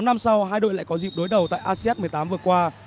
sáu năm sau hai đội lại có dịp đối đầu tại asean một mươi tám vừa qua